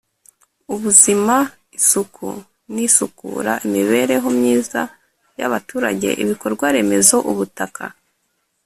ubuzima isuku n isukura imibereho myiza y abaturage ibikorwaremezo ubutaka